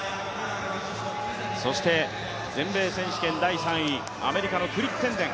そして全米選手権第３位、アメリカのクリッテンデン。